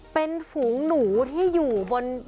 เป็นฝูงหนูที่อยู่บน